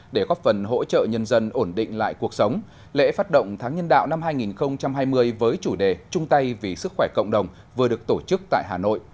để góp phần hỗ trợ nhân dân ổn định lại cuộc sống lễ phát động tháng nhân đạo năm hai nghìn hai mươi với chủ đề trung tây vì sức khỏe cộng đồng vừa được tổ chức tại hà nội